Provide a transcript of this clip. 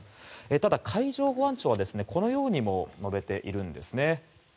ただ、海上保安庁はこのようにも述べているんです。